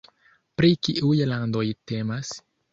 Pri kiuj landoj temas?